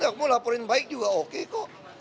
ya kamu laporin baik juga oke kok